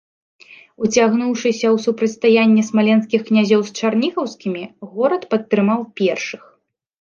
Уцягнуўшыся ў супрацьстаянне смаленскіх князёў з чарнігаўскімі, горад падтрымаў першых.